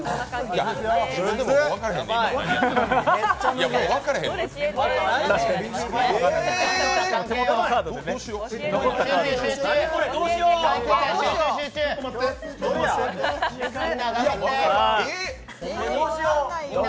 いや、自分でも分からへんねん。